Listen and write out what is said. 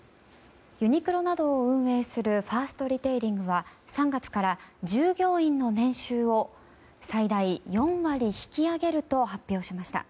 ユニクロなどを運営するファーストリテイリングは３月から従業員の年収を最大４割引き上げると発表しました。